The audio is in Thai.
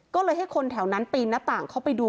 ก็เลยให้คนแถวนั้นปีนหน้าต่างเข้าไปดู